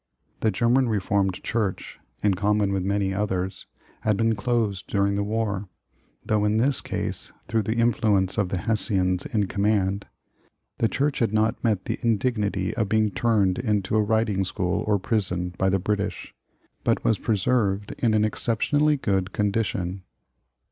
The German Reformed Church, in common with many others, had been closed during the war, though in this case through the influ ence of the Hessians in command, the church had not met the indignity of being turned into a riding school or i)rison by the British, but was preserved in an ex ceptionally good condition.